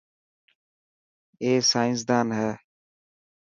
اي سائنسدان هي.